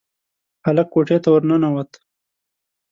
هلک کوټې ته ورننوت.